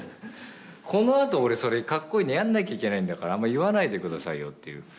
このあと俺それかっこいいのやんなきゃいけないんだからあんま言わないでくださいよっていう。